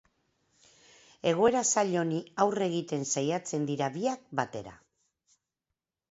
Egoera zail honi aurre egiten saiatzen dira biak batera.